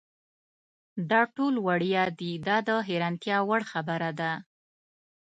دا ټول وړیا دي دا د حیرانتیا وړ خبره ده.